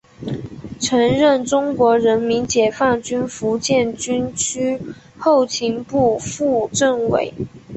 曾任中国人民解放军福建军区后勤部副政委。